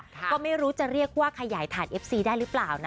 ก็ไม่รู้จะเรียกว่าขยายฐานเอฟซีได้หรือเปล่านะ